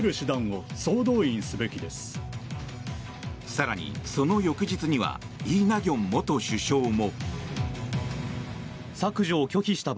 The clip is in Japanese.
更に、その翌日にはイ・ナギョン元首相も。